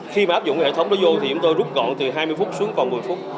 khi mà áp dụng cái hệ thống đó vô thì chúng tôi rút gọn từ hai mươi phút xuống còn một mươi phút